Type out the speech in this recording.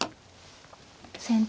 先手